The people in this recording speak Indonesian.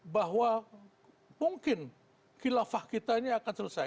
bahwa mungkin kilafah kita ini akan selesai